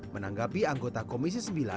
menanggapi anggota komisi sembilan